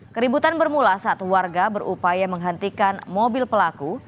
keributan bermula saat warga berupaya menghentikan mobil pelaku